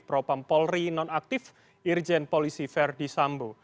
propam polri non aktif irjen polisi verdi sambu